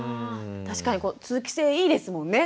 確かにこう通気性いいですもんね。